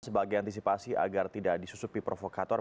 sebagai antisipasi agar tidak disusupi provokator